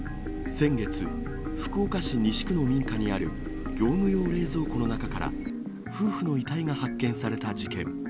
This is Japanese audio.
先月、福岡市西区の民家にある業務用冷蔵庫の中から夫婦の遺体が発見された事件。